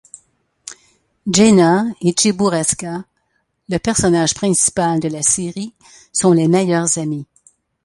Gena et Cheburashka, le personnage principal de la série, sont les meilleurs amis.